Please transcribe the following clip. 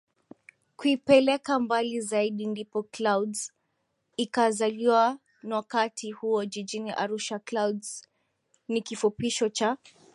kuipeleka mbali Zaidi ndipo Clouds ikazaliwa nwakati huo Jijini Arusha Clouds ni kifupisho cha